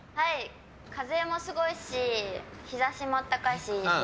風もすごいし日差しも暖かいし。